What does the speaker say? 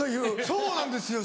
そうなんですよ